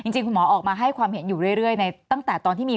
จริงคุณหมอออกมาให้ความเห็นอยู่เรื่อยในตั้งแต่ตอนที่มี